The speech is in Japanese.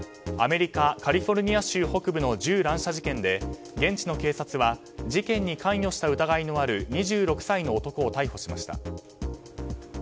アメリカ・カリフォルニア州北部の銃乱射事件で現地の警察は事件に関与した疑いのある２６歳の男を逮捕しました。